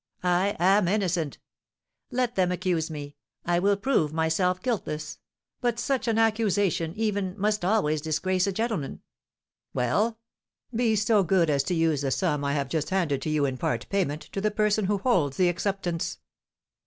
I am innocent, let them accuse me, I will prove myself guiltless; but such an accusation, even, must always disgrace a gentleman." "Well?" "Be so good as to use the sum I have just handed to you in part payment to the person who holds the acceptance."